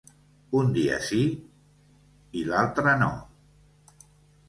Un dia sí i l'altre no.